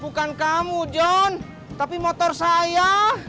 bukan kamu john tapi motor saya